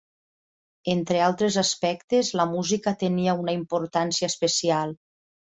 Entre altres aspectes, la música tenia una importància especial.